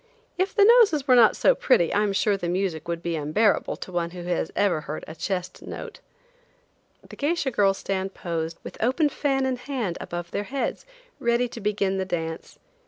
If the noses were not so pretty I am sure the music would be unbearable to one who has ever heard a chest note. The geisha girls stand posed with open fan in hand above their heads, ready to begin the dance.